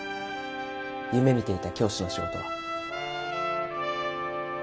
夢みていた教師の仕事は。